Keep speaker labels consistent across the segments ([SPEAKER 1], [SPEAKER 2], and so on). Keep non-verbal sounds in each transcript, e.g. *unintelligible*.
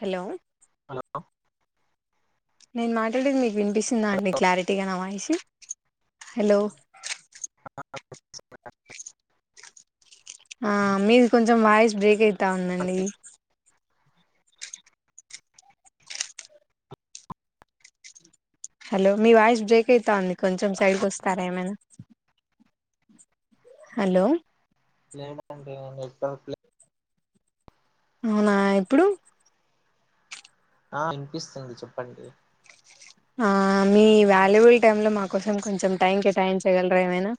[SPEAKER 1] Hello
[SPEAKER 2] అ
[SPEAKER 1] నేను మాట్లాడేది మీ వినిపిస్తుందా అండి క్లారిటీగ న వాయిస్ హలో ఆ మీది కొంచెం వాయిస్ బ్రేక్ అయితు అంటా ఉందండి
[SPEAKER 2] అండి.
[SPEAKER 1] హలో మీ వాయిస్ బ్రేక్ అయితా ఉంది కొంచెం సైడ్కి వస్తారా ఏమైనా హలో
[SPEAKER 2] లేదండి నెట్ ప్లే
[SPEAKER 1] అవునా ఎప్పుడు
[SPEAKER 2] ఆ వినిపిస్తుంది చెప్పండి
[SPEAKER 1] ఆ మీ వాల్యుబుల్ టైమ్ లో మా కోసం కొంచెం టైం కేటాయించగలరా ఏమైనా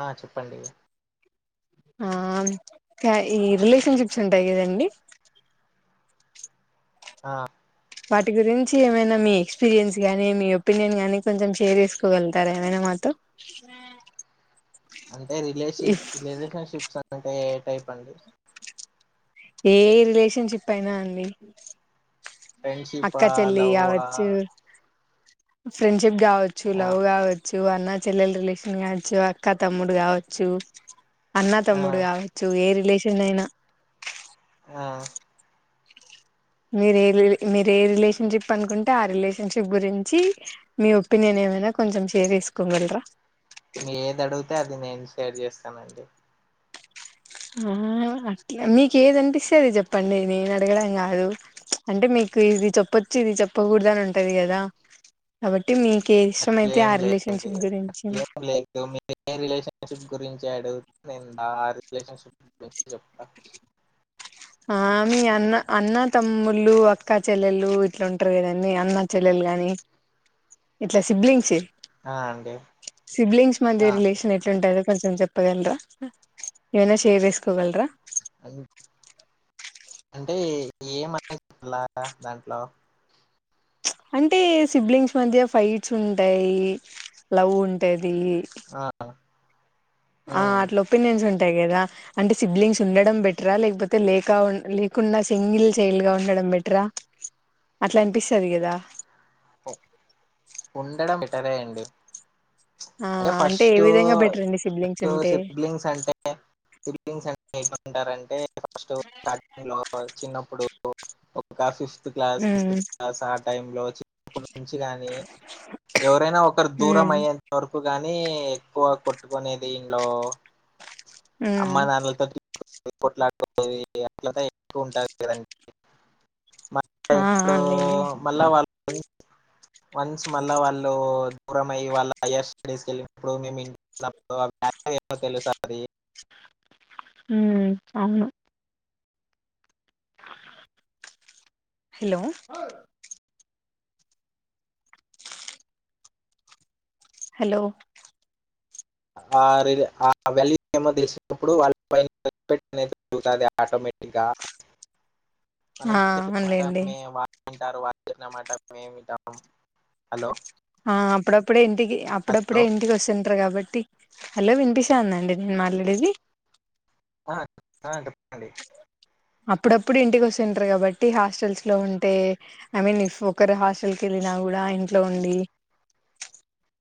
[SPEAKER 2] ఆ చెప్పండి
[SPEAKER 1] ఆ ఈ రిలేషన్షిప్స్ ఉంటాయి కదండి
[SPEAKER 2] ఆ
[SPEAKER 1] వాటి గురించి ఏమైనా మీ ఎక్స్పీరియన్స్ గానీ, మీ ఒపీనియన్ గానీ, కొంచెం షేర్ చేసుకోగలుగుతార, ఏమైనా మాతో
[SPEAKER 2] అంటే రిలేషిన్
[SPEAKER 1] ఇఫ్
[SPEAKER 2] రిలేషన్షిప్స్ అంటే టైప్ అండి
[SPEAKER 1] ఏ రిలేషన్ షిప్ అయినా అండి అక్క
[SPEAKER 2] ఫ్రెండ్షిపా
[SPEAKER 1] చెెల్లి
[SPEAKER 2] లవ్వా
[SPEAKER 1] అవ్వచ్చూ ఫ్రెండ్స్ చెప్ కావచ్చు
[SPEAKER 2] ఆ
[SPEAKER 1] లవ్వ్ కావచ్చు అన్న చెల్లెల రిలేషన్ కావచ్చు. అక్కా, తమ్ముడు కావచ్చు. అన్న
[SPEAKER 2] ఆ
[SPEAKER 1] తమ్ముడు కావచ్చు ఏ రిలేషన్ ఎన్నైనా
[SPEAKER 2] ఆ
[SPEAKER 1] మీరు ఏ రి మీరు ఏ రిలేషన్షిప్ అనుకుంటే, ఆ రిలేషన్షిప్ గురించి మీ ఒపీనియన్ ఏమైనా కొంచెం షేర్ చేసుకోగలరా.
[SPEAKER 2] మీ ఏది అడిగితే అది నేను షేర్ చేస్తానండి
[SPEAKER 1] ఆహ అట్లా మీకు ఏదినిపిస్తే అది చెప్పండి. నేను అడగడం కాదు. అంటే మీకు ఇది చెప్పొచ్చు. ఇది చెప్పకూడదు అని ఉంటది కదా. కాబట్
[SPEAKER 2] అట్లేం లేదండి
[SPEAKER 1] గురించి
[SPEAKER 2] అట్లేం లేదు మీ రిలేషన్షిప్ గురించి అడుగు నేను నా రిలేషన్షిప్ గురించి చెప్
[SPEAKER 1] ఆ మీ అన్న అన్న తమ్ముల్లు, అక్కా చెల్లెలు ఇట్లా ఉంటరు కదండీ. అన్న చెల్లెలు గాని ఇట్ల సిబ్లింగ్స్.
[SPEAKER 2] ఆ అండి
[SPEAKER 1] సిబ్లింగ్స్ మధ్య
[SPEAKER 2] ఆ
[SPEAKER 1] రిలేషన్ ఎట్టుంటదో కొంచెం చెప్పగలరా ఏవైనా సేర్ చేస్కోగలరా
[SPEAKER 2] అన్ అంటే ఏమనే అలాగ దాంట్లో
[SPEAKER 1] అంటే సిబ్లింగ్స్ మధ్య ఫైట్స్ ఉంటాయి లవ్ ఉంటది దీ
[SPEAKER 2] ఆ
[SPEAKER 1] ఆ అట్ల
[SPEAKER 2] ఉమ్
[SPEAKER 1] ఒప్పి నేన్స్ ఉన్ యి కదా అంటే సిబ్లింగ్స్ ఉండడం బెటరా లేకపోతే, లేక ఉన్ లేకుండా సింగిల్ చైల్డ్ గా ఉండడం బెటరా, అట్ల అనిపిస్తది కదా.
[SPEAKER 2] ఒ ఉండడం బెటరే అండి
[SPEAKER 1] ఆ అంటే ఏ విధంగా బెటర్ అండి సిబ్లింగ్స్ ఉంటే
[SPEAKER 2] సిలింగ్స్ అ ఏంటారంటే ఫస్ట్ స్టార్టింగ్ లో చిన్నప్పుడు ఒక fifth class
[SPEAKER 1] um
[SPEAKER 2] sixth class ఆ టైమ్ లో వచ్చి ఇప్పటి నుంచి నీ ఎవరైనా ఒకరు దూరం
[SPEAKER 1] ఉమ్
[SPEAKER 2] అయ్యేంత వరకు ఎక్కుగాని ఎక్కువ కొట్టుకునేది ఇంట్లో అమ్మా
[SPEAKER 1] ఉమ్
[SPEAKER 2] నాల కొట్లాది అట్ల ఎక్కువ ఉంటంది కదండి మళ్ళీ
[SPEAKER 1] ఆ
[SPEAKER 2] ఇప్పుడు
[SPEAKER 1] లే
[SPEAKER 2] మళ్ళా వాళ్ళు వన్స్ మళ్ళీ వాళ్ళు దూరం అయ్యి వాళ్ళ హయ్యర్ స్టడీస్కి వెళ్ళినప్పుడు మేము ఇంట్లోన్నప్పుడు బ్యార్ ఏమో తెలుస అది
[SPEAKER 1] హ అవును హలో హలో
[SPEAKER 2] ఆ వాల్యూ ఏమో తెలిసినప్పుడు వాళ్ళ పైన అనేరుగుతుంది ఆటోమేటిక్గా మనం
[SPEAKER 1] ఆ
[SPEAKER 2] చెప్పటే
[SPEAKER 1] అవునులేండి
[SPEAKER 2] వింటారు వాళమాటంటాం హలో
[SPEAKER 1] ఆ అప్పుడప్పుడేంత ఇంటికి
[SPEAKER 2] హలో!
[SPEAKER 1] అప్పుడప్పుడే ఇంటికి వస్తుంటారు కాబట్టి హలో విన్పిషా అందండి నేను మాట్లాడేది
[SPEAKER 2] చెప్పండి
[SPEAKER 1] అప్పుడప్పుడు ఇంటికి వస్తుంటారు కాబట్టి హాస్టల్స్ లో ఉంటే ఐ మీన్ ఇఫ్ ఒకరు హాస్టల్ క వెళ్ళినా కూడా ఇంట్లో ఉండి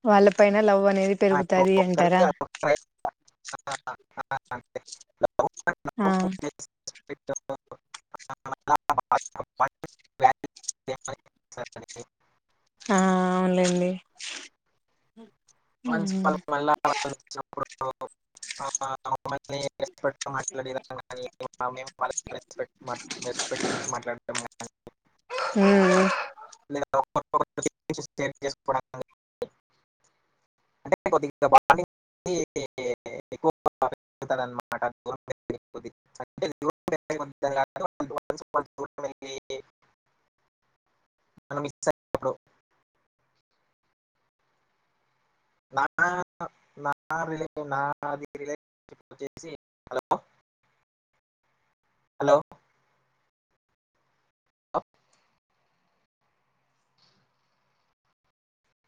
[SPEAKER 1] వాళ్ళపైైన లవ్ అనేది పెరుగుతది అంటారా
[SPEAKER 2] *unintelligible*
[SPEAKER 1] ఆ
[SPEAKER 2] లవ్ *inaudible*
[SPEAKER 1] ఆ అవునులేండి ఉమ్
[SPEAKER 2] మ ట్ మాట్లాడ మేట్ట్ మాట్లాడతాము
[SPEAKER 1] ఉమ్
[SPEAKER 2] సుకో అంటే కొద్దిగా బ ఎక్కువమాట ద నా నా నాది రిలేషప్ వచ్చే హలో హలో అప్పు